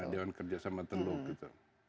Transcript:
keadaan kerjasama teluk gitu